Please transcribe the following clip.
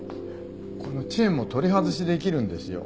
このチェーンも取り外しできるんですよ。